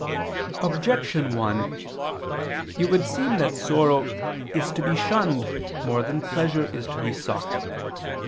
Objection 1: It would seem that sorrow is to be shunned more than pleasure is to be sought.